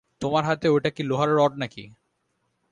তোমার হাতে ওটা কি লোহার রড নাকি?